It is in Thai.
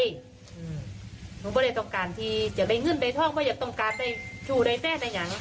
หนูไม่ได้ต้องการที่จะได้เงื่อนในท่องไม่ได้ต้องการได้ชู้ในแน่ในอย่างนั้น